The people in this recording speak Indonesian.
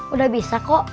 udah bisa kok